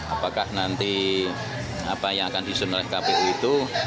apakah nanti apa yang akan disusun oleh kpu itu